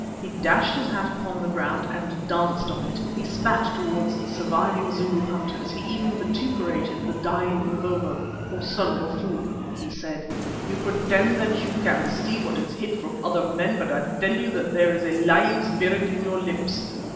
He dashed his hat upon the ground, and danced on it; he spat towards the surviving Zulu hunters; he even vituperated the dying Mavovo. "O son of a fool!" he said, "you pretend that you can see what is hid from other men, but I tell you that there is a lying spirit in your lips.